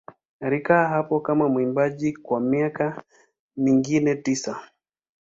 Alikaa hapo kama mwimbaji kwa miaka mingine tisa.